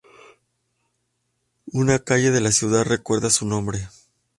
Una calle de la ciudad recuerda su nombre.